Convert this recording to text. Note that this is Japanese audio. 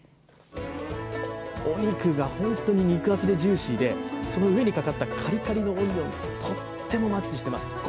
お肉が本当に肉厚でジューシーでその上にかかったカリカリのオニオン、とってもマッチしてます。